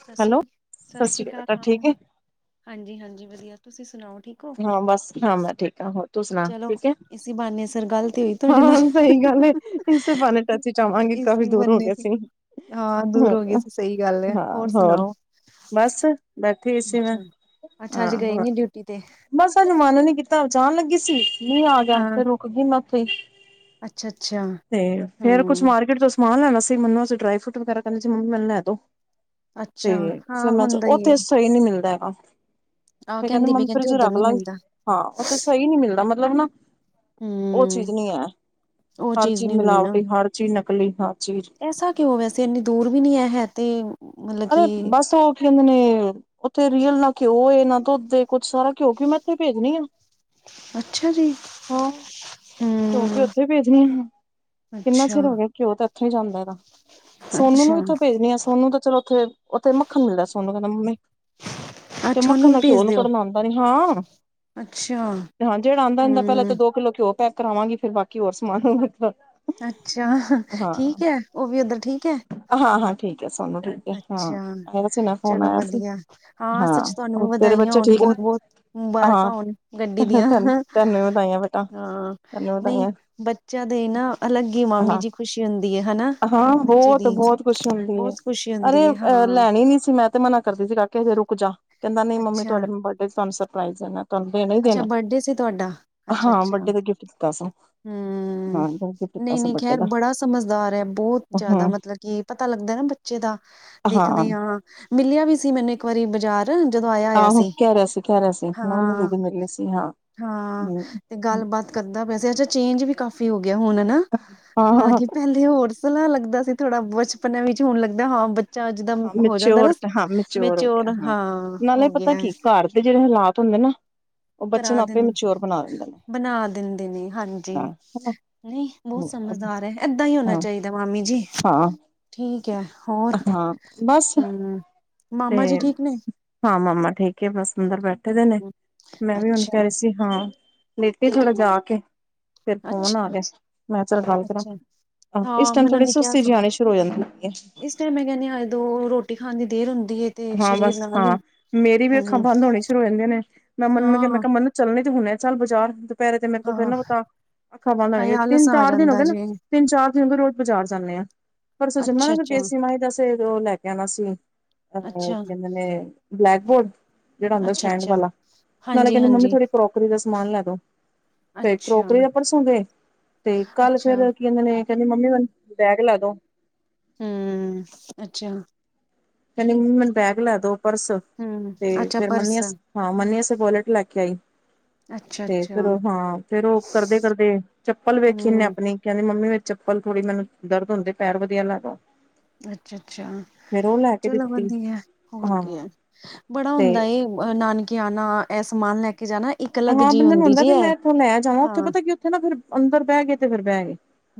ਸਤਿ ਸ਼੍ਰੀ ਹੈਲੋ ਅਕਾਲ ਸਤਿ ਸ੍ਰੀ ਸ਼੍ਰੀ ਅਕਾਲ ਬੇਟਾ ਠੀਕ ਮਾਮੀ ਹੈ ਜੀ ਹਾਂਜੀ-ਹਾਂਜੀ ਵਧੀਆ। ਤੁਸੀਂ ਸੁਣਾਓ? ਠੀਕ ਹੋ ਹਾਂ ਬਸ ਹਾਂ ਮੈਂ ਠੀਕ ਹਾਂ। ਹੋਰ ਤੂੰ ਸੁਣਾ ਠੀਕ ਹੈ? ਬਾਨੇ ਸਿਰ ਗਲਤ ਤੇ ਤੁਹਾਡੇ ਹਾਂ ਨਾਲ ਸਹੀ ਗੱਲ ਹੈ ਇਸੇ ਬਹਾਨੇ ਟੱਚ ਚ ਆਵਾਂਗੇ ਕਾਫੀ ਇਸਏੇ ਦੂਰ ਹੋ ਬਹਾਨੇ ਗਏ ਸੀ ਹਾਂ ਦੂਰ ਹੋ ਗਈ ਤੇ ਸਹੀ ਗੱਲ ਹੈ। ਹੋਰ ਸੁਣਾਓ। ਬਸ ਬੈਠੀ ਹੋਈ ਸੀ ਮੈਂ। ਅੱਛਾ ਅੱਛਾ ਅੱਜ ਹਾਂ ਗਏ ਹੋਰ ਨੀ ਡਿਊਟੀ ਤੇ ਬਸ ਅੱਜ ਮਨ ਨੀ ਕੀਤਾ। ਜਾਣ ਲੱਗੀ ਸੀ, ਮੀਹ ਆ ਗਿਆ ਹਾਂ ਫਿਰ ਰੁਕ ਗਈ ਮੈਂ ਉੱਥੇ ਹੀ। ਅੱਛਾ ਅੱਛਾ ਤੇ ਫੇਰ ਕੁਛ ਹਮ ਮਾਰਕੀਟ ਤੋਂ ਸਮਾਨ ਲੈਣਾ ਸੀ। ਮਨੂੰ ਅਸੀਂ ਡਰਾਈ ਫਰੂਟ ਵਗੈਰਾ ਕਹਿੰਦੇ ਸੀ ਮੰਮੀ ਮੈਨੂੰ ਲੈ ਦੋ। ਤੇ ਅੱਛਾ ਫਿਰ ਹਾਂ ਮੈਂ ਚ ਹੁੰਦਾ ਹੀ ਹੈ ਉਥੇ ਸਹੀ ਨਹੀਂ ਮਿਲਦਾ ਹੈਗਾ। ਆਹ ਫਿਰ ਕਹਿੰਦੀ ਵੀ ਮੰਮੀ ਫਰਿਜ ਚ ਉੱਧਰ ਰੱਖ ਨੀ ਲਾਂਗੀ। ਮਿਲਦਾ ਹਾਂ, ਉਥੇ ਸਹੀ ਨੀ ਮਿਲਦਾ ਮਤਲਬ ਨਾ ਉਹ ਹਮ ਚੀਜ਼ ਨਹੀਂ ਹੈ। ਉਹ ਹਰ ਚੀਜ਼ ਨਹੀਂ ਹੋਣੀ ਨਾ ਮਿਲਾਵਟੀ, ਹਰ ਚੀਜ਼ ਨਕਲੀ ਹਰ ਚੀਜ਼ ਐਸਾ ਕਿਉਂ? ਵੈਸੇ ਇੰਨੀ ਦੂਰ ਵੀ ਨਹੀਂ ਹੈ ਹੈ ਤੇ। ਮਤਲਬ ਅਰੇ ਕਿ ਬਸ ਉਹ ਕਹਿੰਦੇ ਨੇ ਉੱਥੇ ਰੀਅਲ ਨਾ ਘਿਓ, ਨਾ ਦੁੱਧ ਕੁੱਛ ਸਾਰਾ ਘਿਉ ਘਿਉ ਮੈਂ ਇੱਥੇ ਭੇਜਣੀ ਆ। ਅੱਛਾ ਜੀ। ਹਾਂ ਘਿਓ ਘਿਉ ਹਮ ਉੱਥੇ ਹੀ ਭੇਜਣੀ ਆ। ਕਿੰਨਾ ਅੱਛਾ ਚਿਰ ਹੋ ਗਿਆ ਘਿਓ ਤਾਂ ਉੱਥੋਂ ਹੀ ਜਾਂਦਾ ਇਹਦਾ। ਸੋਨੂੰ ਨੂੰ ਵੀ ਅੱਛਾ ਉੱਥੋਂ ਭੇਜਣੀ ਆ। ਸੋਨੂੰ ਤਾਂ ਚਲੋ ਉੱਥੇ ਉੱਥੇ ਮੱਖਣ ਮਿਲਦਾ। ਸੋਨੂੰ ਕਹਿੰਦਾ ਮੰਮੀ ਤੇ ਅੱਛਾ ਮੱਖਣ ਵੀ ਦਾ ਘਿਓ ਭੇਜ ਉਹਨੂੰ ਦਿਓ ਕਢਨਾ ਆਉਂਦਾ ਨੀ। ਹਾਂ ਅੱਛਾ ਹਾਂ ਜਿਹੜਾ ਆਉਂਦਾ ਹੁੰਦਾ ਪਹਿਲਾਂ ਹੂੰ ਤਾਂ ਦੋ ਕਿਲੋ ਘਿਓ ਪੈਕ ਕਰਾਵਾਂਗੀ ਫਿਰ ਬਾਕੀ ਹੋਰ ਸਮਾਨ ਮਤਲਬ ਅੱਛਾ, ਠੀਕ ਹੈ। ਉਹ ਵੀ ਉੱਧਰ ਠੀਕ ਹੈ? ਹਾਂ-ਹਾਂ ਠੀਕ ਹੈ ਸੋਨੂੰ ਠੀਕ। ਹੈ ਹਾਂ ਅੱਛਾ ਆਇਆ ਸੀ ਨਾ ਫੋਨ ਚਲੋ ਆਇਆ ਸੀ ਵਧੀਆ। ਹਾਂ ਸੱਚ! ਤੁਹਾਨੂੰ ਹੋਰ ਵੀ ਤੇਰੇ ਵਧਾਈਆਂ ਬੱਚੇ ਹੋਣ ਠੀਕ ਨੇ ਬਹੁਤ-ਬਹੁਤ ਹਾਂ ਮੁਬਾਰਕਾਂ ਹੋਣ ਗੱਡੀ ਦੀਆਂ। ਧੰਨ ਧੰਨ ਵਧਾਈਆਂ ਬੇਟਾ ਹਾਂ ਧੰਨ ਨਹੀਂ, ਵਧਾਈਆਂ ਬੱਚਿਆਂ ਦੇ ਨਾ ਅਲੱਗ ਹੀ ਮਾਮੀ ਹਾਂ ਜੀ ਖ਼ੁਸ਼ੀ ਹੁੰਦੀ ਹੈ। ਹਨਾ ਹਾਂ ਬੱਚੇ ਬਹੁਤ ਦੀ? ਬਹੁਤ ਖੁਸ਼ੀ ਹੁੰਦੀ ਹੈ। ਬਹੁਤ ਖੁਸ਼ੀ ਹੁੰਦੀ ਅਰੇ ਹੈ ਅਹ ਹਾਂ ਲੈਣੀ ਨੀ ਸੀ। ਮੈਂ ਤੇ ਮਨਾ ਕਰਦੀ ਸੀ ਕਾਕੇ ਹਜੇ ਰੁਕ ਜਾ ਕਹਿੰਦਾ ਨਹੀਂ ਮੰਮੀ ਅੱਛਾ ਤੁਹਾਡੇ ਬਰਡੇ ਚ ਤੁਹਾਨੂੰ ਸਰਪ੍ਰਾਈਜ਼ ਹੈ ਨਾ। ਤੁਹਾਨੂੰ ਦੇਣਾ ਹੀ ਅੱਛਾ ਦੇਣਾ। ਬਰਡੇ ਸੀ ਤੁਹਾਡਾ ਅੱਛਾ ਹਾਂ ਅੱਛਾ ਬਡੇ ਦਾ ਗਿਫਟ ਦਿੱਤਾ ਸੂ ਹੂੰ ਹਾਂ ਗਿਫਟ ਦਿੱਤਾ ਸੀ ਨਹੀਂ-ਨਹੀਂ, ਬਰਡੇ ਖੈਰ! ਦਾ ਬੜਾ ਸਮਝਦਾਰ ਹੈ ਬਹੁਤ ਜ਼ਿਆਦਾ ਹਾਂ ਮਤਲਬ ਕਿ ਪਤਾ ਲੱਗਦਾ ਨਾ ਬੱਚੇ ਦਾ। ਦੇਖਦੇ ਹਾਂ। ਮਿਲਿਆ ਵੀ ਸੀ ਮੈਨੂੰ ਇੱਕ ਵਾਰੀ ਬਾਜ਼ਾਰ ਦਿਨ ਜਦੋਂ ਆਇਆ। ਹੋਇਆ ਆਹੋ ਸੀ ਕਹਿ ਰਿਹਾ ਸੀ ਕਹਿ ਰਿਹਾ ਸੀ। ਉਹਨਾਂ ਹਾਂ ਦੀਦੀ ਮਿਲੇ ਸੀ। ਹਾਂ ਹਾਂ ਹੂੰ ਤੇ ਗੱਲ ਬਾਤ ਕਰਦਾ ਪਿਆ ਸੀ। ਅਛਾ ਚੇਂਜ ਵੀ ਕਾਫੀ ਹੋ ਗਿਆ ਹੁਣ ਨਾ? [unintelligible] ਏ ਹੋਰ ਸਲਾ ਲੱਗਦਾ ਸੀ ਥੋੜਾ ਬਚਪਨੇ ਵਿੱਚ, ਹੁਣ ਲੱਗਦਾ ਹਾਂ ਬੱਚਾ ਜਿਦਾਂ ਹਾਂ ਹੋ ਜਾਂਦਾ ਨਾ ਮਿਚਓਰ ਹਾਂ ਮਿਚਓਰ ਹੋ ਗਿਆ ਮੇਚਿਓਰ, ਹਾਂ ਨਾਲੇ ਹੋ ਪਤਾ ਗਿਆ ਐ। ਕੀ ਘਰ ਦੇ ਜਿਹੜੇ ਹਾਲਾਤ ਹੁੰਦੇ ਨਾ ਉਹ ਬੱਚੇ ਕਰਾ ਨੂੰ ਦਿੰ ਆਪੇ ਮਚਿਓਰ ਬਣਾ ਦਿੰਦੇ ਨੇ ਬਣਾ ਦਿੰਦੇ ਨੇ ਹਾਂਜੀ। ਹਾਂ ਨਈ ਬੋਤ ਹਨਾ ਸਮਝਦਾਰ ਐ, ਏਦਾਂ ਈ ਹੋਣਾ ਹਾਂ ਚਾਈਦਾ ਮਾਮੀ ਜੀ। ਹਾਂ ਠੀਕ ਐ ਹੋਰ। ਹਾਂ ਬਸ ਹੂੰ। ਤੇ ਮਾਮਾ ਜੀ ਠੀਕ ਨੇ? ਹਾਂ ਮਾਮਾ ਠੀਕ ਏ, ਬਸ ਅੰਦਰ ਬੈਠੇ ਦੇ ਨੇ। ਮੈਂ ਵੀ ਹੁਣ ਕੈ ਅੱਛਾ ਰੀ ਸੀ ਹਾਂ ਲੇਟੇੰ ਤੇ ਥੋੜ੍ਹਾ ਜਾ ਕੇ। ਫੇਰ ਫੋਨ ਆ ਅੱਛਾ ਗਿਆ, ਮੈਂ ਕਿਆ ਚਲ ਗੱਲ ਕਰਾਂ। ਅੱਛਾ ਹਾਂ ਇਸ ਟੈਮ ਥੋੜੀ ਸੁਸਤੀ ਜੀ ਆਣੀ ਸ਼ੁਰੂ ਹੋ ਜਾਂਦੀ ਏ। ਫੇਰ ਮੈਂ ਕੈਂਦੀ ਹਾਏ ਦੋ ਰੋਟੀ ਖਾਣ ਦੀ ਦੇਰ ਹੁੰਦੀ ਏ। ਹਾਂ ਬਸ ਹਾਂ ਮੇਰੀ ਵੀ ਅੱਖਾਂ ਬੰਦ ਹੋਣੀ ਸ਼ੁਰੂ ਹੋ ਜਾਂਦੀਆਂ ਨੇ, ਮੈਂ ਮੰਨਨ ਨੂੰ ਕਿਆ ਮੈਂ ਹਾਂ ਕਿਆ ਮੰਨਨ ਚੱਲਣੇ ਤੇ ਹੁਣੇ ਆ ਚੱਲ ਬਾਜ਼ਾਰ, ਦਪੈਰੇ ਤੇ ਮੇਰੇ ਕੋਲ ਫੇਰ ਹਾਂ ਨਾ ਪਤਾ। ਅੱਖਾਂ ਬੰਦ ਹਾਏ ਹੋਣ, ਤਿੰਨ ਆਲਸ ਆ ਚਾਰ ਦਿਨ ਹੋ ਜਾਂਦਾ ਗੇ ਨੇ ਜੇ ਤਿੰਨ ਚਾਰ ਦਿਨ ਹੋਗੇ ਰੋਜ਼ ਬਾਜ਼ਾਰ ਜਾਂਨੇ ਆਂ। ਪਰਸੋਂ ਅੱਛਾ ਯਮੁਨਾਨਗਰ ਗਏ ਅੱਛਾ ਸੀ, ਮਾਈ ਦੇ ਅਸੇ ਓਹ ਲੈ ਕੇ ਆਣਾ ਸੀ। ਓਹ ਅੱਛਾ ਕਕ ਕੈਂਦੇ ਨੇ ਬਲੈਕ ਬੋਰਡ। ਜੇੜਾ ਹੁੰਦਾ ਅੱਛਾ ਸਟੈਂਡ ਅੱਛਾ ਵਾਲਾ, ਨਾਲੇ ਹਾਂਜੀ ਕੈਂਦੀ ਮੰਮੀ ਹਾਂਜੀ ਥੋੜ੍ਹੀ ਕਰੋਕਰੀ ਦਾ ਸਮਾਨ ਲੈ ਦੋ। ਫੇਰ ਅੱਛਾ ਕਰੋਕਰੀ ਦਾ ਪਰਸੋਂ ਗਏ, ਤੇ ਕੱਲ ਅੱਛਾ ਫੇਰ ਕੀ ਕੈਨੇ ਨੇ ਕੈਂਦੀ ਮੰਮੀ ਮੈਨੂੰ ਬੈਗ ਲੈ ਦੋ। ਹੂੰ ਅੱਛਾ। ਕੇਨੀ ਮੰਮੀ ਮੈਨੂੰ ਬੈਗ ਲੈ ਦੋ ਪਰਸ। ਹਮ ਤੇ ਅੱਛਾ ਫੇਰ ਮਨੀ ਪਰਸ ਅਸੇ ਹਾਂ ਮਨੀ ਅਸੇ ਵੋਲਟ ਲੈ ਕੇ ਆਈ। ਅੱਛਾ ਤੇ ਅੱਛਾ ਫੇਰ ਹਾਂ ਫੇਰ ਓ ਕਰਦੇ ਕਰਦੇ ਚੱਪਲ ਵੇਖੀ ਏਨੇ ਹਮ ਆਪਣੀ। ਕੈਂਦੀ ਮੰਮੀ ਮੇਰੀ ਚਪਲ ਥੋੜੀ ਮੈਨੂੰ ਦਰਦ ਹੁੰਦੇ ਪੈਰ, ਵਧੀਆ ਲੈ ਦੋ। ਅੱਛਾ ਅੱਛਾ ਫੇਰ ਉਹ ਲੈ ਕੇ ਚਲੋ ਦਿੱਤੀ ਵਧੀਆ ਹੋਰ ਹਾਂ ਕੀ ਐ, ਬੜਾ ਹੁੰਦਾ ਤੇ ਏ। ਵੀ ਨਾਨਕੇ ਆਣਾ ਐ ਸਮਾਨ ਲੈ ਕੇ ਜਾਣਾ। ਇੱਕ ਅਲੱਗ ਹਾਂ ਜੀ ਬੰਦਾ ਨੂੰ ਹੁੰਦੀ ਹੁੰਦਾ ਜੀ ਵੀ ਮੈਂ ਇਹ ਏਥੋਂ ਲੈ ਜਾਵਾਂ, ਓਥੇ ਹਾਂ ਪਤਾ ਕੀ ਓਥੇ ਨਾ ਫੇਰ ਅੰਦਰ ਬੈ ਗੇ ਤੇ ਫੇਰ ਬੈ ਗੇ।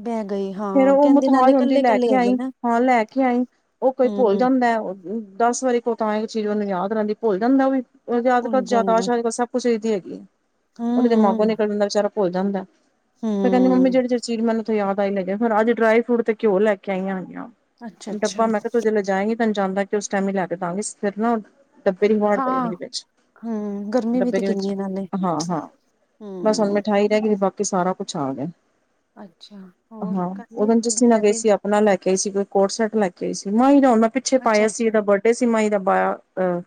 ਬਹਿ ਗਈ ਫੇਰ ਹਾਂ ਓ ਕਹਿੰਦੇ ਨਾਲੇ ਮੋਥਾਜ ਹੁੰਦੀ ਕੱਲੇ ਲੈ ਕੱਲੇ ਕੇ ਹੈਗੇ ਆਈੰ, ਨਾ ਹਾਂ ਲੈ ਕੇ ਆਈੰ। ਓ ਕੋਈ ਭੁੱਲ ਹੂੰ ਜਾਂਦਾ। ਦਸ ਵਾਰੀ ਕੋ ਤਾਂ ਇੱਕ ਚੀਜ਼ ਓਨੂੰ ਯਾਦ ਰੈਂਦੀ, ਭੁੱਲ ਜਾਂਦਾ ਓਵੀ ਜਾਦ ਕਰ ਭੁੱਲ ਜਾਂਦਾ ਜ਼ਾਦਾਸ਼ ਅਜਕਲ ਸਭ ਕੁਛ ਏਦੀ ਹੈਗੀ। ਹੂੰ ਓਦੇ ਦਿਮਾਗੋਂ ਹੂੰ ਨਿਕਲ ਜਾਂਦਾ ਵਚਾਰਾ ਭੁੱਲ ਜਾਂਦਾ, ਫੇਰ ਕੈਂਦੀ ਮੰਮੀ ਹੂੰ ਜੇੜੀ ਜੇੜੀ ਚੀਜ਼ ਮੈਨੂੰ ਯਾਦ ਆਈ ਲੱਗਿਆ ਫੇਰ ਅੱਜ ਡਰਾਈ ਫਰੂਟ ਤੇ ਘਿਓ ਲੈ ਕੇ ਆਈਆਂ ਹੈਗੀਆਂ। ਅੱਛਾ ਡੱਬਾ ਅੱਛਾ ਮੈਂ ਕਿਆ ਤੁ ਜਿਲੇ ਜਾਏਗੀ ਤਾਂ ਜਾਣ ਲੱਗੀ ਉਸ ਟੈਮ ਈ ਲੈ ਕੇ ਦਾਂਗੀ, ਫੇਰ ਨਾ ਓ ਡੱਬੇ ਦੀ ਹਵਾੜ ਪੈ ਹਾਂ ਜਾਂਦੀ ਵਿੱਚ, ਹੂੰ ਗਰਮੀ ਵੀ ਡੱਬੇ ਤੇ ਦੇ ਵਿੱਚ। ਕਿੰਨੀ ਹੈ ਨਾਲੇ ਹਾਂ ਹਾਂ ਬਸ ਹੁਣ ਹੂੰ ਮਠਾਈ ਰੈ ਗੀ ਤੇ ਬਾਕੀ ਸਾਰਾ ਕੁਛ ਆ ਗਿਆ। ਅੱਛਾ ਹੋਰ ਕਰਨੀ ਤੁਹੀ ਪੈਕਿੰਗ। ਓਨਾ ਲੈ ਕੇ ਆਈ ਸੀ ਇੱਕ ਕੋਡ ਸੈੱਟ ਲੈ ਆਈ ਸੀ, ਮਾਈ ਦਾ ਹੁਣ ਮੈਂ ਪਿੱਛੇ ਅੱਛਾ ਪਾਇਆ ਸੀ ਅੱਛਾ ਏਦਾ ਬਡ- ਡੇ ਸੀ ਮਈ ਦਾ ਬਆ ਅਹ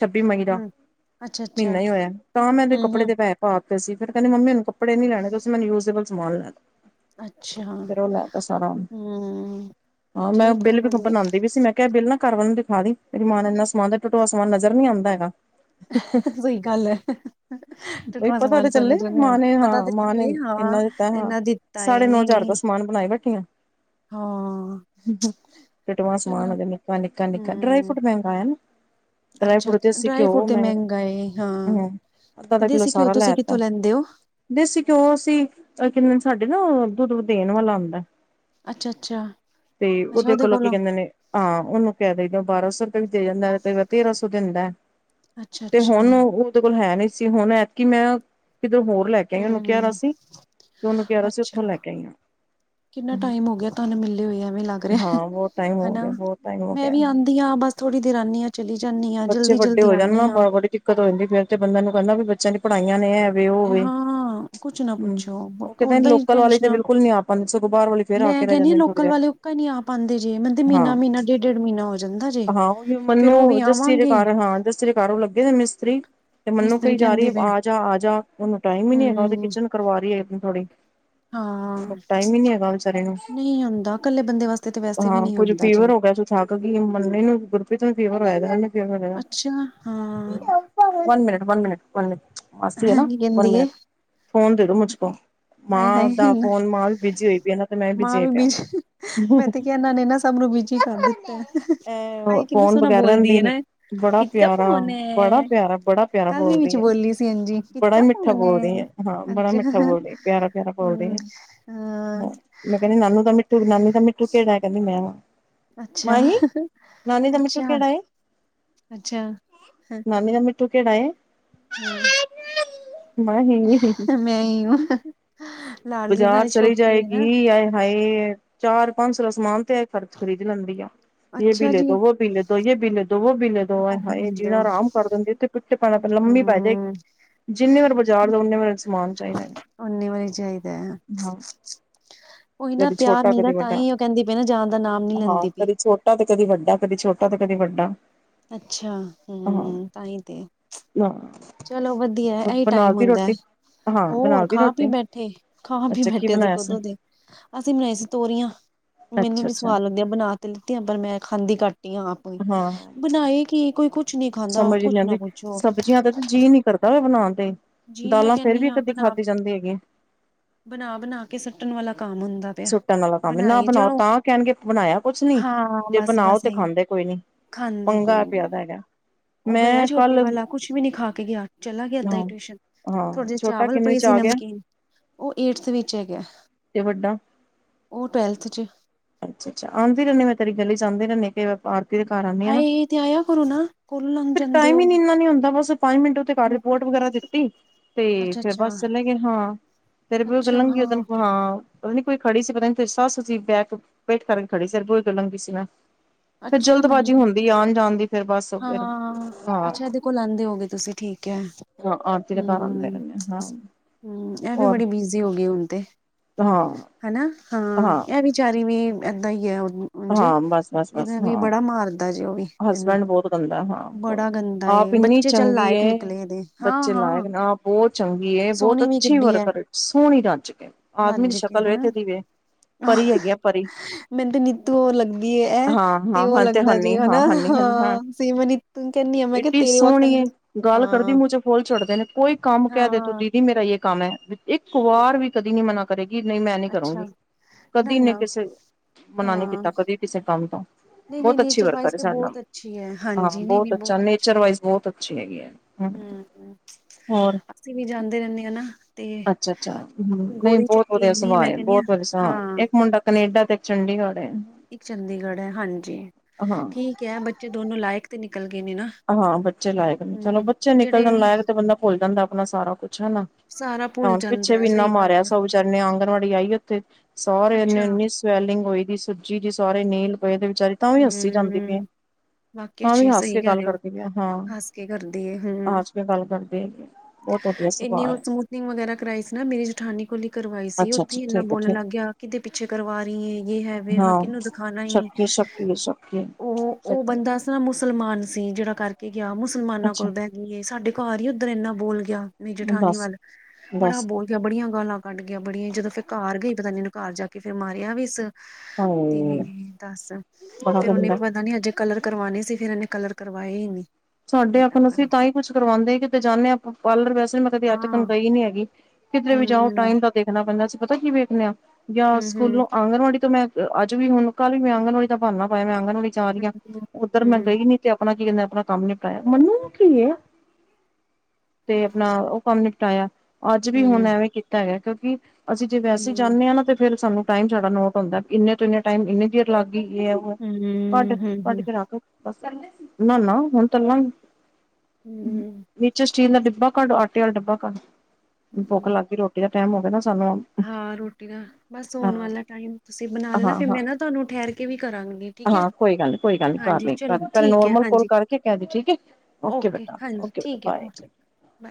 ਛੱਬੀ ਮਈ ਦਾ ਹੂੰ ਅੱਛਾ ਅੱਛਾ ਮੀਨਾ ਈ ਓਇਆ। ਮੈਂ ਏਦੇ ਹੂੰ ਕੱਪੜੇ ਹੂੰ ਦੇ ਪੈਹੇ ਪਾ ਤੇ ਸੀ ਫੇਰ ਕੈਂਦੀ ਮੰਮੀ ਹੁਣ ਕੱਪੜੇ ਨੀ ਲੈਣੇ ਤੁਸੀਂ ਮੈਨੂੰ ਯੂਸਏਬਲ ਸਮਾਨ ਲੈ ਦੋ। ਅੱਛਾ ਫਿਰ ਉਹ ਲੈ ਤਾ ਸਾਰਾ ਹੂੰ ਠੀਕ ਏ ਵਧੀਆ। ਕੈਹ ਬਿਲ ਨਾ ਘਰ ਵਾਲੇ ਨੂੰ ਦਿਖਾ ਦੀ, ਤੇਰੀ ਮਾਂ ਨੇ ਏਨਾ ਸਮਾਨ ਟੁਟੀਆਂ ਸਮਾਨ ਨਜ਼ਰ ਨੀ ਆਂਦਾ ਹੈਗਾਵ ਸਈ ਗੱਲ ਐ। ਬਈ ਪਤਾ ਤੇ ਚੱਲੇ ਮਾਂ ਨੇ ਹਾਂ ਮਾਂ ਨੇ ਲੱਗੇ ਹਾਂ ਏਨਾ ਦਿੱਤਾ ਹਾਂ ਇਨਾ ਦਿੱਤਾ ਏ ਸਾਢੇ ਨੌ ਨਹੀਂ ਜ਼ਾਰ ਦਾ ਨਹੀਂ ਸਮਾਨ ਬਣਾਏ ਦਾ। [unintelligible] ਹਾਂ ਟੁੱਟਵਾਂ ਸਮਾਨ ਚਲੋ ਆ ਨਿੱਕਾ ਨਿੱਕਾ ਨਿੱਕਾ ਡਰਾਈ ਹੂੰ ਫਰੂਟ ਮੈਂਗਾ ਆਇਆ ਨਾ। ਡਰਾਏ ਅੱਛਾ ਫਰੂਟ ਤੇ ਦੇਸੀ ਡਰਾਈ ਘਿਓ ਫਰੂਟ ਤੇ ਮੈਂਗ ਮਹਿੰਗਾ ਏ ਹਾਂ ਤੇ ਅੱਧਾ-ਅੱਧਾ ਕਿੱਲੋ ਦੇਸੀ ਘਿਓ ਸਾਰਾ ਤੁਸੀਂ ਲੈਤਾ। ਕਿੱਥੋਂ ਲੈਂਦੇ ਹੋ ਦੇਸੀਂ ਕਿਉ ਅਸੀ ਕੀ ਕੈਂਦੇ ਸਾਡੇ ਨਾ ਦੁੱਧ ਦੇਣ ਵਾਲਾ ਆਂਦੈ। ਅੱਛਾ ਅੱਛਾ ਤੇ ਅੱਛਾ ਓਦੇ ਉਹਦੇ ਕੋਲੋਂ ਕੀ ਕੈਂਦੇ ਨੇ ਹਾਂ, ਓਨੂੰ ਕੈ ਦਈਦੈ, ਬਾਰਾਂ ਸੌ ਦੇ ਜਾਂਦਾ ਕਈ ਵ ਤੇਰਾਂ ਸੌ ਦਿੰਦਾ, ਅੱਛਾ ਤੇ ਅੱਛਾ ਹੋਨ ਓਦੇ ਕੋਲ ਹੈ ਨਈ। ਸੀ ਹੁਣ ਐਤਕੀ ਮੈਂ ਕਿੱਧਰ ਹੋਰ ਲੈ ਕਿਹੇ ਨੂੰ ਕੈਂਣਾ ਹੂੰ ਸੀ, ਓਨੂੰ ਕੈਂਣਾ ਸੀ, ਅੱਛਾ ਓਂਥੋ ਲੈ ਕੇ ਆਈ ਆ। ਕਿੰਨਾ ਟਾਈਮ ਹੋ ਗਿਐ ਤੁਆਨੂੰ ਮਿਲੇ ਹੋਏ, ਐਵੇਂ ਲੱਗ ਹਾਂ ਰਿਹਾ ਬਹੁਤ ਟਾਈਮ ਹੋ ਹੈਨਾ? ਗਿਆ ਬਹੁਤ ਟਾਈਮ ਹੋ ਮੈਂ ਗਿਆ ਵੀ ਆਂਦੀ ਹਾਂ, ਬਸ ਥੋੜ੍ਹੀ ਦੇਰ ਆਂਨੀ ਆ, ਚਲੀ ਜਾਂਨੀ ਆ, ਬੱਚੇ ਜਲਦੀ ਵੱਡੇ -ਜਲਦੀ ਹੋ ਜਾਣ ਨਾ ਆਨੀ ਆ। ਬੜੀ ਦਿੱਕਤ ਹੋ ਜਾਂਦੀ ਫੇਰ ਤੇ, ਬੰਦਾ ਨੂੰ ਕੈਂਦਾ ਵੀ, ਬੱਚੇਆਂ ਦੀ ਪੜ੍ਹਾਈਆਂ ਨੇ ਐ ਵੇ, ਔ ਵੇ। ਹਾਂ ਕੁਛ ਨਾ ਹੂੰ, ਪੁੱਛੋ ਓ ਕੈਂਦੇ ਓਦਾਂ ਹੀ ਲੋਕਲ ਵਾਲੇ ਤੇ ਟੈਨਸ਼ਨਾਂ ਬਿਲਕੁਲ ਨੀ ਆ ਪਾਂਦੇ, ਸਗੋਂ ਬਾਰ ਵਾਲੇ ਫੇਰ ਆ ਕੇ ਰੈ ਜਾਂਦੇ ਨੇ ਥੋੜੀ ਦੇਰ। ਪੱਕਾ ਨੀ ਆ ਪਾਂਦੇ ਜੇ ਮੈਨ ਤੇ ਹਾਂ ਮੀਨਾ-ਮੀਨਾ, ਡੇਢ-ਡੇਢ ਮੀਨਾ ਹੋ ਜਾਂਦਾ ਜੇ, ਹਾਂ ਉਹੀ ਫੇਰ ਓ ਵੀ ਮੈਨੂੰ ਜੱਸੀ ਦੇ ਆਵਾਂਗੇ ਘਰ ਹਾਂ, ਜੱਸੀ ਦੇ ਘਰ ਓ ਲੱਗੇ ਨੇ ਮਿਸਤਰੀ। ਤੇ ਮੈਨੂੰ ਮਿਸਤਰੀ ਕਈ ਜਾ ਕਹਿੰਦੇ ਰੀਏ, ਪਏ ਆਜਾ-ਆਜਾ, ਓਨੂੰ ਟਾਈਮ ਈਨੀ ਹੈਗਾ, ਓਤੇ ਹਮ ਕਿਚਨ ਕਰਵਾ ਰੀ ਏ ਅਪਨੀ ਥੋੜੀ। ਟਾਈਮ ਈਨੀ ਹੈਗਾ ਵਿਚਾਰੀ ਨੂੰ। ਨਈ ਹੁੰਂਦਾ, ਕੱਲੇ ਬੰਦੇ ਵਾਸਤੇ ਤਾਂ ਵੈਸੇ ਵੀ ਹਾਂ ਨੀ ਕੁੱਝ ਹੁੰਦਾ ਫੀਵਰ ਜੇ। ਹੋ ਗਿਆ ਸੀ ਥੱਕ ਗਈ ਏ ਕਿ ਮੰਨੇ ਨੂੰ ਗੁਰਪ੍ਰੀਤ ਨੂੰ ਫੀਵਰ ਹੋਯਾ ਦੈਓਨੂੰ ਫੀਵਰ ਹੋਯਾ ਦੈ। ਅੱਛਾ ਹਾਂ one minute, one minute, one minute, ਮਾਸੀ ਏ ਨਾ, ਕੀ ਵਨ ਕਹਿੰਦੀ ਏ ਮਿੰਨਟ, ਫੋਨ ਦੇ ਦੋ ਮੁਝ ਕੋ। ਹਾਏ ਮਾਂ ਹਾਏ ਦਾ ਫੋਨ, ਮਾਂ ਵੀ ਬਿਜੀ ਹੋਈ ਪਈ ਏ ਨਾ, ਤੇ ਮੈਂ ਵੀ ਬਿਜੀ ਹੋਈ ਪਈ ਆ। ਕਿਂਉਕਿ ਏਨਾਂ ਨੇ ਨਾ ਸਭ ਨੂੰ ਬੀਜੀ ਕਰ ਦਿੱਤਾ ਹਾਏ! ਕਿੰਨਾ ਸੋਣਾ ਬੋਲਦੀ। ਯੇ ਹੈ ਦੇਖ, ਨਾ ਬੜਾ ਕਿਤਕਾ ਪਿਆਰਾ, ਫੋਨ ਬੜਾ ਹੈ ਪਿਆਰਾ, ਬੜਾ ਪਿਆਰਾ ਕੱਲ ਵੀ ਬੋਲਦੀ ਵਿੱਚ ਏ। ਬੋਲੀ ਸੀ ਹਾਂਜੀ ਬੜਾ ਈ ਕਿਤਕਾ ਮਿੱਠਾ ਫੋਨ ਬੋਲਦੀ ਏ ਹੈ ਹਾਂ, ਬੜਾ ਅੱਛਾ ਮਿੱਠਾ ਬੋਲਦੀ, ਪਿਆਰਾ-ਪਿਆਰਾ ਬੋਲਦੀ ਹਮ ਏ, ਹਾਂ। ਮੈਂ ਕੈਂਦੀ ਨਾਨੂ ਦਾ ਮਿੱਠੂ ਨਾਨੀ ਦਾ ਮਿੱਠੂ ਕੇੜਾ ਏ? ਕੈਂਦੀ, ਮੈਂ ਵਾਂ। ਅੱਛਾ ਮਾਹੀ, ਨਾਨੀ ਦਾ ਮਿੱਠੂ ਅੱਛਾ, ਕੇੜਾ ਏ? ਅੱਛਾ, ਹੈ। ਨਾਨੀ ਦਾ ਮਿੱਠੂ ਕੇੜਾ ਏ? ਹੂੰ। ਮਾਹੀ [unintelligible] ਮੈਂ ਈ ਆਂ ਬਜਾਰ ਚਲੀ ਜਾਏਗੀ, ਆਏ ਹਾਏ! ਚਾਰ-ਪੰਜ ਸੋ ਦਾ ਸਮਾਨ ਤੇ ਐ ਖਰਚ ਖਰੀਦ ਲੈਂਦੀ ਆ। ਯੇ ਬੀ ਅੱਛਾ ਜੀ। ਲੇਦੋ, ਵੋ ਬੀ ਲੇਦੋ। ਯੇ ਬੀ ਲੇਦੋ, ਵੋ ਬੀ ਲੇਦੋ। ਆਏ-ਹਾਏ! ਦੋ ਜੀਣਾ ਹਰਾਮ ਕਰ ਦਿੰਦੀਏ। ਓਥੇ ਪਿੱਟ ਪੈਣਾ, ਲੰਮੀ ਪੈ ਜੇਗੀ। ਹੂੰ, ਜਿੰਨੇ ਵਾਰੀ ਬਾਜਾਰ ਜਾਉ, ਉਂਂਨੇ ਵਾਰੀ ਸਮਾਨ ਚਾਈਦੈ। ਓਨੇ ਵਾਰੀ ਚਾਈਦੈ। [unintelligible] ਓਈਂ ਨਾ ਕਦੀ ਪਿਆਰ ਛੋਟਾ ਮਿਲਦੈ, ਕਦੀ ਵੱਡਾ। ਤਾਂਈ ਓ ਕੈਂਦੀ ਪਈ ਏਨਾ ਜਾਨ ਦਾ ਨਾਮ ਨੀ ਲੈਂਦੀ ਪੀ। ਐ, ਤੇ ਕਦੀ ਵੱਡਾ, ਕਦੀ ਛੋਟਾ, ਤੇ ਕਦੀ ਵੱਡਾ। ਅੱਛਾ, ਹੂੰ ਤਾਂਈ ਤੇ। ਨਾ ਚਲੋ ਵਦੀਐ, ਐਈ ਟਾਈਮ ਹੁੰਦੈ। ਹਾਂ ਹੋਰ ਬਣਾਤੀ ਖਾਂ-ਪੀ ਰੋਟੀ ਬੈਠੇ, ਖਾਂ-ਪੀ ਅੱਛਾ ਕੀ ਬੈਠੇ ਸੀ ਬਣਾਇਆ ਕਦੋਂ ਦੇ। ਅਸੀ ਬਨਾਈ ਸੀ ਤੋਰੀਆਂ, ਮੈਨੂੰ ਅੱਛਾ ਨੀ ਅੱਛਾ ਸਵਾਦ ਲਗਦੀਆਂ ਬਣਾ ਤੇ ਲਿੱਤੀਆਂ, ਪਰ ਮੈਂ ਖਾਂਦੀ ਘੱਟ ਈਆ ਆਪ ਈ। ਹਾਂ। ਬਨਾਏ ਕੀ ਕੋਈ ਕੁਛ ਕੁਛ ਨੀ ਖਾਂਦਾ, ਸਮਝ ਹੀ ਨਹੀਂ ਕੁੱਛ ਨਾ ਆਉਂਦੀ ਪੁੱਛੋ। ਸਬਜ਼ੀਆਂ ਦਾ ਜੀਅ ਨੀ ਕਰਦਾ ਬਨਾਨ 'ਤੇ, ਜੀ ਮੈਂ ਦਾਲਾਂ ਫੇਰ ਵੀ ਕਹਿੰਦੀ ਇੱਕ-ਅੱਧੀ ਖਾਧੀ ਜਾਂਦੀ ਹੈਗੀ ਏ। ਬਨਾ-ਬਨਾ ਕੇ ਸੱਟਣ ਵਾਲਾ ਕੰਮ ਹੁੰਦੈ। ਸੁੱਟਣ ਵਾਲਾ ਕੰਮ ਏ ਨਾ ਬਣਾਓ ਤਾਂ ਕਹਿਣਗੇ, ਬਣਾਇਆ ਕੁਛ ਨੀ, ਹਾਂ ਜੇ ਬਸ ਬਣਾਓ, ਬਸ ਤੇ ਇਹੀ ਖਾਂਦੇ ਕੋਈ ਨੀ। ਖਾਂਦੇ ਪੰਗਾ ਕੋਈ ਪਿਐ ਦਾ ਨੀ ਹੈਗਾ? ਉਹ ਗਿਆ ਮੈਂ ਛੋਟੀ ਕੱਲ ਵਾਲਾ, ਕੁਛ ਵੀ ਨੀ ਖਾ ਕੇ ਗਿਆ। ਚਲਾ ਗਿਆ ਏਦਾਂ ਈ ਹਾਂ ਟਿਊਸ਼ਨ। ਹਾਂ ਥੋੜੇ ਜਿਹੇ ਛੋਟਾ ਚਾਵਲ ਕਿੰਨਵੀ ਪਏ ਚ ਸੀ, ਆ ਗਿਆ ਨਮਕੀਨ। ਉਹ ਏਟਥ ਵਿੱਚ ਹੈਗਾ। ਤੇ ਵੱਡਾ ਓ ਟਵੈਲਥ 'ਚ। ਅੱਛਾ -ਅੱਛਾ, ਆਂਦੀ ਰਹਿੰਨੀ ਆ ਮੈ ਤੇਰੀ ਗਲੀ 'ਚ ਆਂਦੀ ਰਹਿੰਨੀ। ਫਿਰ, ਆਪਾਂ ਆਰਤੀ ਦੇ ਘਰ ਆਂਨੀ ਆ ਨਾ, ਹਾਏ ਤੇ ਆਇਆ ਕਰੋ ਨਾ ਕੋਲ ਲੰਘ ਫਿਰ ਜਾਂਦੇ ਟਾਈਮ ਹੋ ਈ ਇੰਨਾ ਨੀ ਹੁੰਦਾ, ਬਸ ਪੰਜ ਮਿੰਟ। ਘਰ ਰਿਪੋਰਟ ਵਗੈਰਾ ਦਿੱਤੀ, ਤੇ ਅੱਛਾ ਫਿਰ ਅੱਛਾ ਬਸ ਚੱਲਾਂਗੇ, ਹਾਂ। ਫਿਰ ਵੀ, ਉਦਨ ਤੇ ਅੱਛਾ ਲੰਘ ਗੀ ਏ, ਉਦਨ ਹਾਂ ਹਾ। ਪਤਾ ਨੀ, ਕੋਈ ਖੜੀ ਸੀ, ਪਤਾ ਨੀ ਤੇਰੀ ਸੱਸ ਸੀ, ਬੈਕ ਪਿੱਠ ਕਰਕੇ ਖੜੀ ਸੀ, ਤੇਰੇ ਬੂਹੇ ਅਗੇ ਲੰਘੀ ਸੀ ਮੈ। ਫਿਰ ਅੱਛਾ ਜਲਦਬਾਜ਼ੀ ਮੈਨੂੰ ਹੁੰਦੀ ਆਣ-ਜਾਣ ਦੀ ਫਿਰ ਬੱਸ ਫਿਰ ਹਾਂ। ਅਗੋ ਲੈਦੇ ਹੋਗੇ ਤੁਸੀਂ ਠੀਕ ਹੈ। ਹਾਂ ਆਰਤੀ ਦੇ ਘਰ ਆਉਂਦੇ ਹੂੰ-ਹੂੰ, ਰਹਿੰਦੇ ਹਾਂ ਇਹ ਵੀ ਹੋਰ ਬੜੀ ਬਿਜੀ ਹੋ ਗਈ ਹੁਣ ਤੇ। ਹਾਂ ਹਨਾ ਹਾਂ ਏ ਵਿਚਾਰੀ ਵੀ ਏਦਾਂ ਹੀ ਹੈ। ਉਝ ਹਾਂ ਬਸ ਬਸ ਏ ਬਸ ਵੀ ਹਾਂ ਬੜਾ ਮਾਰਦਾ ਜੇ ਉਹ ਵੀ। ਇਹਨੂੰ ਹਸਬੈਂਡ ਬਹੁਤ ਗੰਦਾ, ਹਾਂ। ਬੜਾ ਗੰਦਾ ਆਪ ਏ ਇੰਨੀ ਬੱਚੇ ਚੱਲ ਚੰਗੀ ਲਾਇਕ ਹੈ ਨਿਕਲੇ ਇਹਦੇ ਹਾਂ ਬੱਚੇ ਹਾਂ ਲਾਇਕ ਨੇ ਆਪ ਬਹੁਤ ਚੰਗੀ ਏ ਬਹੁਤ ਸੋਹਣੀ ਵੀ ਅੱਛੀ ਕਿੱਡੀ ਹੈ ਵਰਕਰ ਸੋਹਣੀ ਰੱਜ ਕੇ ਆਦਮੀ ਦੀ ਰੱਜ ਕੇ ਸ਼ਕਲ ਹਨਾ ਵੇਥੇ ਦੀ ਉਦੀ ਵੇ ਪਰੀ ਹੈਗੀਆਂ ਪਰੀ ਮੈਨੂੰ ਤੇ ਨੀਤੂ ਉਹ ਲੱਗਦੀ ਏ ਐ ਹਾਂ-ਹਾਂ ਉਹ ਹੁ ਤੇ ਲੱਗਦਾ ਜੀ ਹੁੀ ਹਨਾ ਹਾਂ। ਹਜੀ-ਹਜੀ, ਹਾਂ ਸੀਮਨ ਨੀਤੂ ਕਹਿੰਦੀ ਆ ਮੈਂ ਕਿਹਾ ਏਡੀ ਤੇਰੇ ਸੋਹਣੀ ਵਕਨ ਏ ਦੀ। ਗੱਲ ਕਰਦੀ ਹਾਂ ਮੂੰ ਚ ਫੁਲ ਛਢ ਨੇ ਕੋਈ ਕੰਮ ਕਹਿ ਦੇ ਤੂੰ ਹਾਂ ਦੀਦੀ ਮੇਰਾ ਇਹ ਕੰਮ ਹੈ ਇੱਕ ਵਾਰ ਵੀ ਕਦੀ ਨੀ ਮਨਾ ਕਰੇਗੀ ਨਹੀਂ ਮੈਂ ਨੀ ਅੱਛਾ ਕਰੂੰਗੀ ਨਾ ਕਦੀ ਨਹੀਂ ਨਾ ਕਿਸੇ ਮਨਾ ਨੀ ਹਾਂ ਕੀਤਾ ਕਦੇ ਕਿਸੇ ਕੰਮ ਤੋਂ ਨਹੀਂ ਨਹੀਂ ਬਹੁਤ ਅੱਛੀ ਨੇਚਰ ਵਰਕ ਵਾਈਜ਼ ਤੇ [unintelligible] ਬਹੁਤ ਅੱਛੀ ਹੈ ਹਾਂ, ਹਾਂਜੀ ਨਹੀਂ ਬਹੁਤ ਨਹੀਂ ਅੱਛਾ ਅੱਛੀ ਨੇਚਰ ਵਾਇਜ। ਬਹੁਤ ਅੱਛੀ ਹੈਗੀ ਆ ਹ ਹਮ ਹੋਰ। ਅਸੀਂ ਵੀ ਜਾਂਦੇ ਰਹਿੰਦੇ ਹਨਾ। ਅੱਛਾ-ਅੱਛਾ, ਹੂੰ ਨਹੀ ਬਹੁਤ ਵਧੀਆ ਇੰਨੀ ਮੈਂ ਸੁਭਾਅ, ਕਹਿੰਦੀ ਹਾਂ ਬਹੁਤ ਵਧੀਆ ਸੁਭਾ ਹਾਂ ਇੱਕ ਮੁੰਡਾ ਕਨੇਡਾ ਤੇ ਚੰਡੀਗੜ੍ਹ ਏ। ਇੱਕ ਚੰਡੀਗੜ੍ਹ ਹੈ ਹਾਂਜੀ, ਹਾਂ। ਠੀਕ ਏ ਬੱਚੇ ਦੋਨੋ ਲਾਇਕ ਤੇ ਨਿਕਲ ਗਏ ਨੇ ਨਾ। ਹਾਂ, ਬੱਚੇ ਲਾਏਕ ਚਲੋ ਹਮ ਬੱਚੇ ਨਿਕਲ ਜਿਹੜੇ ਜਾਣ ਲਾਏਕ ਤੇ ਬੰਦਾ ਭੁੱਲ ਜਾਂਦਾ ਆਪਣਾ ਸਾਰਾ ਕੁਛ ਹਨਾ। ਸਾਰਾ ਹਾ, ਭੁੱਲ ਪਿੱਛੇ ਜਾਂਦਾ ਹੈ ਵੀ ਇੰਨਾ ਸਹੀ ਗੱਲ ਮਾਰਿਆ ਹੈ ਸੌ ਵਿਚਾਰੀ ਨੇ ਆਂਗਣਵਾੜੀ ਆਈ ਉੱਥੇ ਸਾਰੇ ਦਗ ਅੱਛਾ ਇਨੀ ਸਵੈਲਿੰਗ ਹੋਈ ਦੀ ਸੂਜੀ ਦੀ ਸਹਾਰੇ ਨੀਲ ਪਏ ਦੇ ਵਿਚਾਰੀ ਤਾਂ ਵੀ ਹਸੀ ਜਾਂਦੀ ਪਈ ਏ ਹਮ ਵਾਕਿਆ ਤਾਂ ਵੀ ਚ ਹੱਸ ਸਹੀ ਕੇ ਕਹਿ ਗੱਲ ਰਹੇ ਹੋ ਕਰਦੀ ਹਾਂ, ਹੱਸ ਕੇ ਕਰਦੀ ਹੈ ਹਮ ਹਸ ਕੇ ਗੱਲ ਕਰਦੀ ਏ ਬਹੁਤ ਵਧੀਆ ਸੁਭਾਅ ਹੈ। ਸਮੂਥਿੰਗ ਵਗੈਰਾ ਕਰਾਈ ਸੀ ਨਾ ਮੇਰੀ ਜੇਠਾਨੀ ਕੋਲਿ ਹੀ। ਕਰਵਾਈ ਸੀ ਅੱਛਾ ਉੱਥੇ ਅੱਛਾ ਹੀ ਇੰਨਾ ਠੀਕ ਹੈ ਬੋਲਣ ਠੀਕ। ਲੱਗ ਗਿਆ ਕਿੱਦੇ ਪਿੱਛੇ ਕਰਵਾ ਰਹੀ ਏ ਯ ਹੈ ਵੋ ਹੈ ਕਿਹਨੂੰ ਦਿਖਾਣਾ ਈ। ਜਿਵੇ ਸਕੀ-ਸਕਿ ਬੰਦਾ ਸੀ ਮੁਸਲਮਾਨ ਸੀ, ਜਿਹੜਾ ਕਰਕੇ ਗਿਆ ਮੁਸਲਮਾਨਾਂ ਅੱਛਾ ਕੋਲ ਬੈਂਦੀ ਏ ਸਾਡੇ ਘਰ ਹੀ ਉੱਧਰ ਇੰਨਾ ਬੋਲ ਗਿਆ। ਮੇਰੀ ਜੇਠਾਨੀ ਦੱਸ ਵੱਲ ਬੜਾ ਦੱਸ ਬੋਲ ਗਿਆ ਬੜੀਆਂ ਗਾਲਾਂ ਕੱਢ ਗਿਆ ਬੜੀਆਂ, ਜਦੋਂ ਫੇਰ ਘਰ ਗਈ ਪਤਾ ਨੀ ਉਨੂੰ ਘਰ ਜਾ ਕੇ ਫੇਰ ਮਾਰਿਆ ਵੀ ਇਸ ਕੀ ਹਾਏ ਦੱਸ ਬੜਾ ਫੇਰ ਉਹਨੇ ਗੰਦਾ ਪਤਾ ਨੀ ਅਜੇ ਕਲਰ ਕਰਵਾਉਣੇ ਸੀ ਫਿਰ ਉਹਨੇ ਕਲਰ ਕਰਵਾਏ ਹੀ ਨੀ। ਹਜੇ ਸਾਡੇ ਅਖਣ ਤੱਕ ਅਸੀਂ ਤਾਂ ਹੀ ਕੁਛ ਕਰਵਾਉਂਦੇ ਨੀ, ਕਿਤੇ ਜਾਂਦੇ ਹਾਂ ਪਾਰਲਰ ਵੈਸੇ ਮੈਂ ਕਦੇ ਅੱਜ ਤਕ ਹਾਂ ਗਈ ਨੀ ਹੈਗੀ। ਕਿਧਰੇ ਹੂੰ ਵੀ ਜਾਓ ਟਾਈਮ ਦਾ ਦੇਖਣਾ ਪੈਂਦਾ, ਅਸੀਂ ਪਤਾ ਕੀ ਵੇਖਨੇ ਹਾਂ ਜਾਂ ਹੂੰ ਹੂੰ ਹੂੰ ਸਕੂਲੋਂ ਆਂਗਣਵਾੜੀ ਤੋਂ ਮੈਂ ਅੱਜ ਵੀ ਹੁਣ ਕੱਲ ਵੀ ਮੈਂ ਆਂਗਨਵਾੜੀ ਦਾ ਬਾਨਾ ਪਾਇਆ ਮੈਂ ਆਂਗਨਵਾੜੀ ਜਾ ਰੀ ਆ ਹੂੰ ਉੱਧਰ ਮੈਂ ਹੂੰ ਗਈ ਨੀ। ਤੇ ਆਪਣਾ ਕੀ ਕੇਂਦੇ ਆਪਣਾ ਕੰਮ ਨ ਟਾਆ ਮਨੂੰ ਕੀ ਐ ਤੇ ਆਪਣਾ ਉਹ ਕੰਮ ਨਿਪਟਾਇਆ। ਅੱਜ ਵੀ ਹੁਣ ਹੂੰ ਐਵੇਂ ਕੀਤਾ ਹੇਗਾ ਕਿਉਂਕਿ ਅਸੀਂ ਜੇ ਵੈਸੇ ਹੂੰ ਜਾਨੇ ਆ ਨਾ ਤੇ ਫੇਰ ਸਾਨੂੰ ਟਾਈਮ ਜਾਦਾ ਨੋਟ ਹੁੰਦਾ ਇੰਨੇ ਤੋਂ ਇਨੇ ਟਾਈਮ, ਇੰਨੀ ਦੇਰ ਲੱਗ ਗਈ ਯੇ ਐ ਵੋ, ਕਾਡ-ਕਾਡ ਹੂੰ ਕੇ ਰਖ। ਨਾ-ਨਾ ਹੂਨ ਤੱਲਾ ਗੀ। ਵਿੱਚ ਸਟੀਲ ਦਾ ਡਿੱਬਾ ਕੱਢ, ਆਟੇ ਆਲਾ ਡਿੱਬਾ ਕੱਢ ਭੁੱਖ ਹੂੰ ਲੱਗ ਗਈ ਰੋਟੀ ਦਾ ਟਾਈਮ ਹੋ ਗਿਆ ਨਾ ਸਾਨੂੰ ਹਾਂ ਰੋਟੀ ਦਾ ਬਸ ਹਾਂ ਹੋਣ ਵਾਲਾ ਟਾਈਮ ਤੁਸੀਂ ਬਣਾ ਲੈਣਾ ਹਾਂ ਫਿਰ ਹਾਂ ਮੈਂ ਨਾ ਤਾਨੂੰ ਠੇਰ ਕੇ ਵੀ ਕਰਾਂਗੀ ਠੀਕ ਐ। ਹਾਂ ਕੋਈ ਗੱਲ ਕੋਈ ਗੱਲ ਨੀ ਕਰ ਲੀ ਨੋਰਮਲ ਕੋਲ ਹਾਂਜੀ ਕਰਕੇ ਕੈ ਦੀ ਠੀਕ ਏ, ਓਕੇ ਬੇਟਾ, ਹਾਂਜੀ ਓਕੇ ਬੇਟਾ ਠੀਕ ਹੈ ਬਾਏ। Okay bye